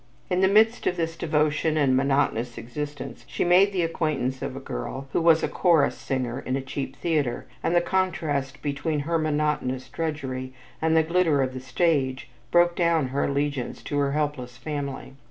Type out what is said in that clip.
In the midst of this devotion and monotonous existence she made the acquaintance of a girl who was a chorus singer in a cheap theater and the contrast between her monotonous drudgery and the glitter of the stage broke down her allegiance to her helpless family.